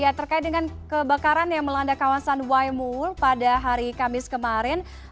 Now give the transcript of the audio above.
ya terkait dengan kebakaran yang melanda kawasan ymul pada hari kamis kemarin